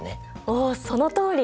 おそのとおり！